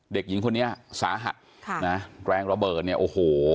เด็กหญิงคนนี้สาหัสค่ะนะแรงระเบิดเนี่ยโอ้โห